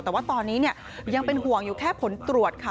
แต่ว่าตอนนี้ยังเป็นห่วงอยู่แค่ผลตรวจค่ะ